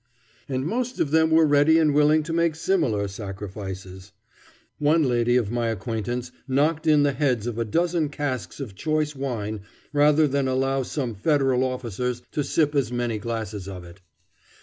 And most of them were ready and willing to make similar sacrifices. One lady of my acquaintance knocked in the heads of a dozen casks of choice wine rather than allow some Federal officers to sip as many glasses of it.